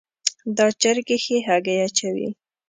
دا چرګي ښي هګۍ اچوي